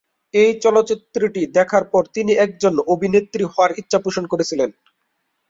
এই চলচ্চিত্রটি দেখার পর তিনি একজন অভিনেত্রী হওয়ার ইচ্ছা পোষণ করেছিলেন।